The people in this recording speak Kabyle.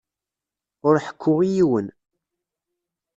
Ur ḥekku i yiwen.